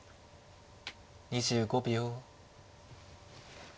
２５秒。